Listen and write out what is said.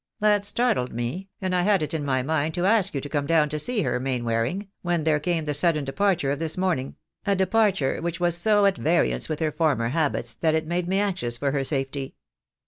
That startled me, and I had it in my mind to ask you to come down to see her, Maimvaring, when there came the sudden departure of this morning — a departure which was so at variance with her former habits that it made me anxious for her safety.